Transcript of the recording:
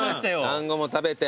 団子も食べて。